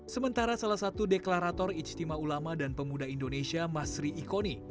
sementara salah satu deklarator ijtima ulama dan pemuda indonesia masri ikoni